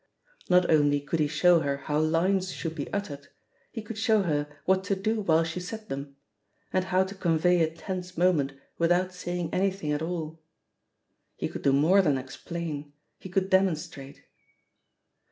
Not only could he show her how lines should be uttered, he could show her what to do while she said them — and how to convey a tense moment without saying anything at all. He could do more than explain, he could demonstrate.